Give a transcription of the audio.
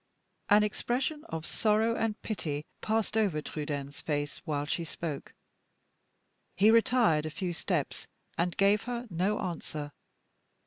An expression of sorrow and pity passed over Trudaine's face while she spoke. He retired a few steps, and gave her no answer.